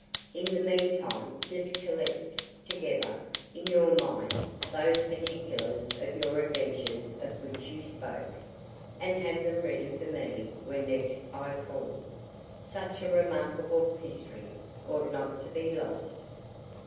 "In the meantime, just collect together in your mind those particulars of your adventures of which you spoke, and have them ready for me when next I call. Such a remarkable history ought not to be lost."